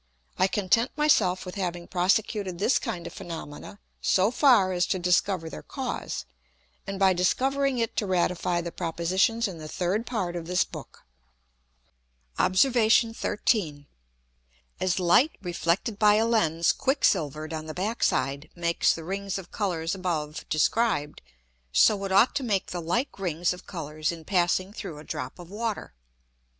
I content my self with having prosecuted this kind of Phænomena so far as to discover their Cause, and by discovering it to ratify the Propositions in the third Part of this Book. Obs. 13. As Light reflected by a Lens quick silver'd on the backside makes the Rings of Colours above described, so it ought to make the like Rings of Colours in passing through a drop of Water.